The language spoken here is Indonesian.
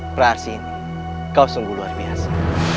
praharsin kau sungguh luar biasa